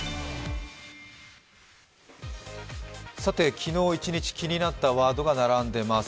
昨日一日気になったワードが並んでます。